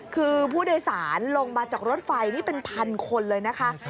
คือผู้โดยสารลงมาจากรถไฟนี่เป็นพันคนเลยนะคะ